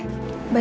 aku mau ke rumah